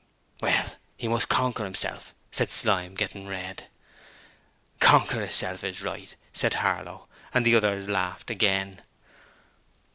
'Well, he must conquer hisself,' said Slyme, getting red. 'Conquer hisself is right!' said Harlow and the others laughed again.